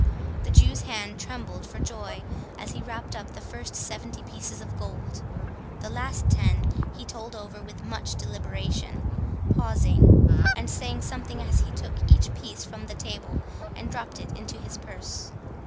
The Jew's hand trembled for joy as he wrapped up the first seventy pieces of gold. The last ten he told over with much deliberation, pausing, and saying something as he took each piece from the table, and dropt it into his purse.